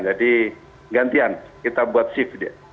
jadi gantian kita buat shift